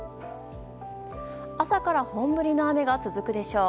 朝から本降りの雨が続くでしょう。